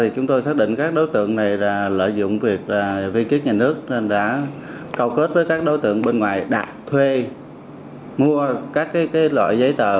chúng tôi xác định các đối tượng này lợi dụng việc vi kýt nhà nước nên đã câu kết với các đối tượng bên ngoài đặt thuê mua các loại giấy tờ